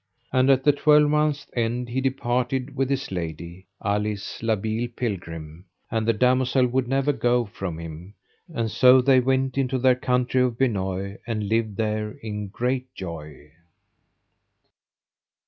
And at the twelvemonth's end he departed with his lady, Alice la Beale Pilgrim. And the damosel would never go from him, and so they went into their country of Benoye, and lived there in great joy.